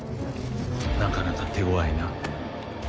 なかなか手ごわいな。